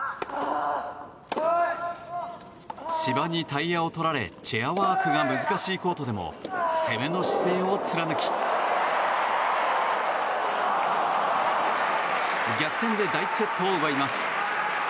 芝にタイヤをとられチェアワークが難しいコートでも攻めの姿勢を貫き逆転で第１セットを奪います。